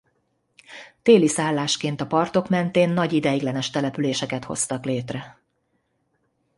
Téli szállásként a partok mentén nagy ideiglenes településeket hoztak létre.